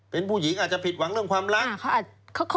เป็นผู้หญิงอาจจะผิดหวังเรื่องความรัก